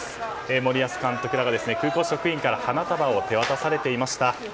森保監督らが空港職員から花束を手渡されていました。